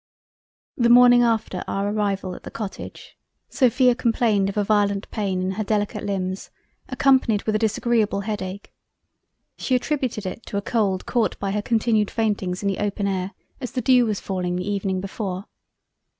The morning after our arrival at the Cottage, Sophia complained of a violent pain in her delicate limbs, accompanied with a disagreable Head ake She attributed it to a cold caught by her continued faintings in the open air as the Dew was falling the Evening before.